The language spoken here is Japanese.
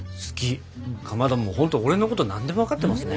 かまどもうほんと俺のこと何でも分かってますね。